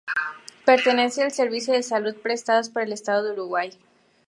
Pertenece al Servicio de Salud prestados por el Estado de Uruguay.